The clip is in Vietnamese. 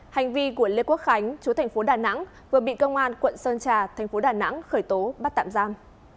hành vi của lê quốc khánh chú thành phố đà nẵng vừa bị công an quận sơn trà thành phố đà nẵng khởi tố bắt tạm giam